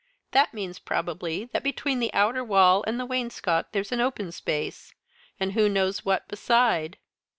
That means, probably, that between the outer wall and the wainscot there's an open space and who knows what beside?